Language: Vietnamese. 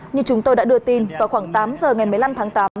như chúng tôi đã đưa tin vào khoảng tám giờ ngày một mươi năm tháng tám